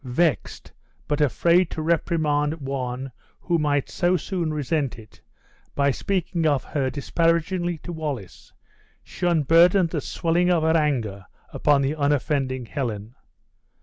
Vexed, but afraid to reprimand one who might so soon resent it, by speaking of her disparagingly to Wallace, she unburdened the swelling of her anger upon the unoffending Helen.